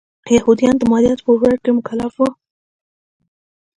یهودیان د مالیاتو په ورکړې مکلف و.